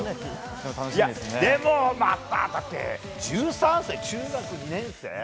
でも、１３歳中学２年生？